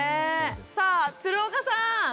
さあ鶴岡さん。